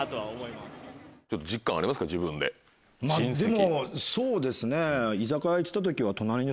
まぁでもそうですね。